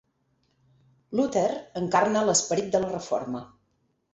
Luter encarna l'esperit de la Reforma.